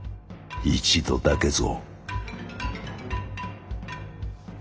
一度だけぞ。